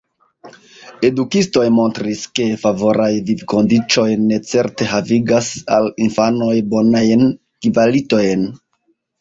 Edukistoj montris, ke favoraj vivkondiĉoj necerte havigas al infanoj bonajn kvalitojn.